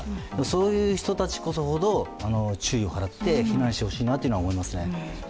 そういう人たちほど注意を払って避難してほしいなと思います。